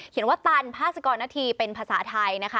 เขียนว่าตันพนเป็นภาษาไทยนะคะ